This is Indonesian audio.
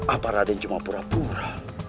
apa raden cuma pura pura